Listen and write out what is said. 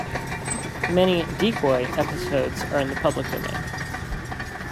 Many "Decoy" episodes are in the public domain.